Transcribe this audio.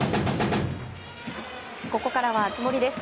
ここからは熱盛です。